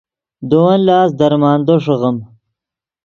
دے ون لاست درمندو ݰیغیم